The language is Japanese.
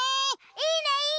いいねいいね！